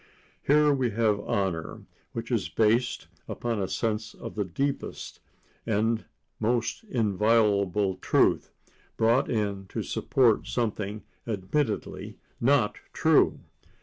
Here we have honor, which is based upon a sense of the deepest and most inviolable truth, brought in to support something admittedly not true.